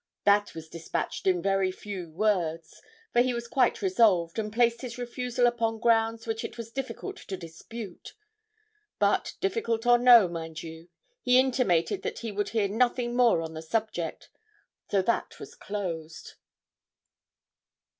'That was despatched in very few words; for he was quite resolved, and placed his refusal upon grounds which it was difficult to dispute. But difficult or no, mind you, he intimated that he would hear nothing more on the subject so that was closed.'